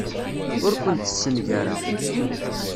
Ur kent-ssengareɣ.